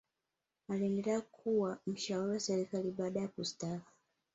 aliendelea kuwa mshauli wa serikali baada ya kustaafu